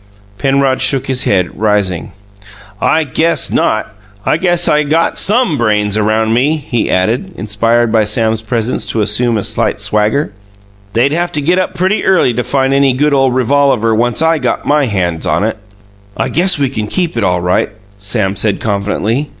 Penrod shook his head, rising. "I guess not! I guess I got SOME brains around me," he added, inspired by Sam's presence to assume a slight swagger. "They'd have to get up pretty early to find any good ole revolaver, once I got MY hands on it!" "I guess we can keep it, all right," Sam said confidentially.